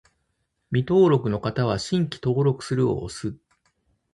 未登録の方は、「新規登録する」を押す